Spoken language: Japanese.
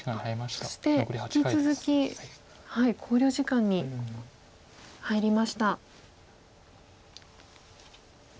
そして引き続き考慮時間に入りました。